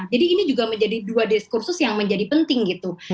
jadi ini juga menjadi dua diskursus yang menjadi penting gitu